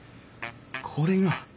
これが？